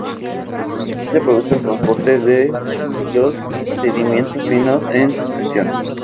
Aquí se produce el transporte de los sedimentos finos en suspensión.